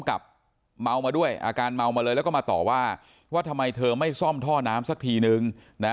ก็เมามาเลยแล้วก็มาต่อว่าว่าทำไมไม่ซ่อมท่อน้ำสักทีนึง